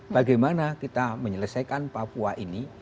bagaimana kita menyelesaikan papua ini